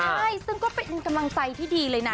ใช่ซึ่งก็เป็นกำลังใจที่ดีเลยนะ